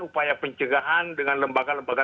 upaya pencegahan dengan lembaga lembaga